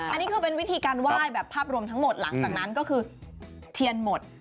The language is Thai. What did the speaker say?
อันนี้คือเป็นวิธีการไหว้แบบภาพรวมทั้งหมดหลังจากนั้นก็คือเทียนหมด